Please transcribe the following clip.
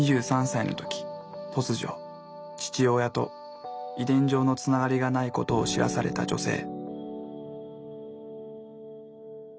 ２３歳の時突如父親と遺伝上のつながりがないことを知らされた女性。